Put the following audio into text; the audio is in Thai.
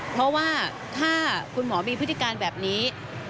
เพราะว่าถ้าคุณหมอมีพฤติการแบบนี้